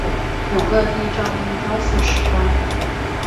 永乐帝诏令交付史官。